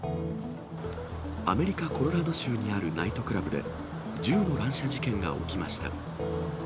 アメリカ・コロラド州にあるナイトクラブで、銃の乱射事件が起きました。